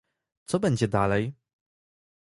Co będzie dalej?